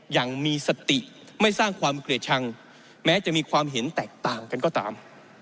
อย่างมีสติไม่สร้างความเกลียดชังแม้จะมีความเห็นแตกต่างกันก็ตาม